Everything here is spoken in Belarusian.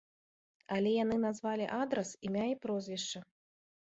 Але яны назвалі адрас, імя і прозвішча.